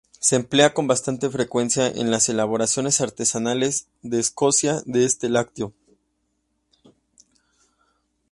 Se emplea con bastante frecuencia en las elaboraciones artesanales de Escocia de este lácteo.